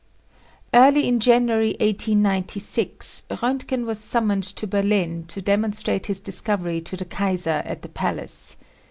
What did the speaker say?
Early in January, 1896, Roentgen was summoned to Berlin to demonstrate his discover) to the Kaiser at the palace.